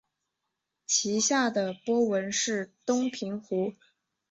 其下的波纹是东平湖。